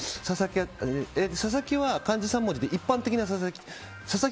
佐々木は漢字３文字で一般的な佐々木。